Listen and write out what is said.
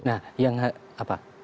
nah yang apa